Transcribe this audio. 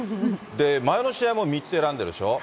前の試合も３つ選んでるでしょう。